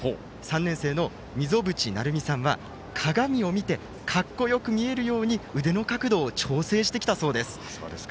３年生の、みぞぶちなるみさんは鏡を見てかっこよく見えるように腕の角度を調整してきたそうです。